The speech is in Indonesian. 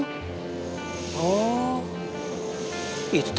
gak ada temennya